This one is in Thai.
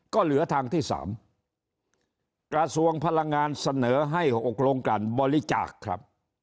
ก็เหลือทางที่๓กระทรวงพลังงานเสนอให้๖โรงการบริจาคครับ